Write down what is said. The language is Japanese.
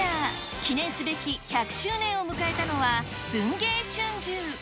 記念すべき１００周年を迎えたのは、文藝春秋。